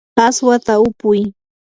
aswata upuy.